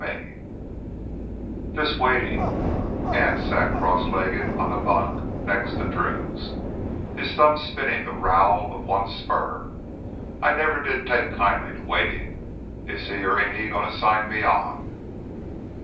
10 "This waitin'—" Anse sat cross legged on the bunk next to Drew's, his thumb spinning the rowel of one spur. "I never did take kindly to waitin'. Is he or ain't he gonna sign me on?"